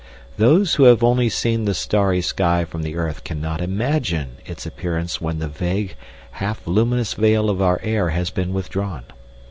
Those who have only seen the starry sky from the earth cannot imagine its appearance when the vague, half luminous veil of our air has been withdrawn.